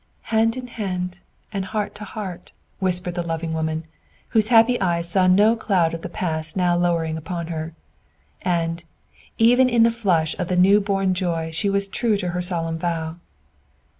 "Hand in hand, and heart to heart," whispered the loving woman, whose happy eyes saw no cloud of the past now lowering upon her. And, even in the flush of the new born joy she was true to her solemn vow.